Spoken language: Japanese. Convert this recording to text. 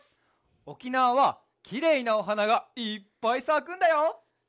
おきなわはきれいなおはながいっぱいさくんだよ！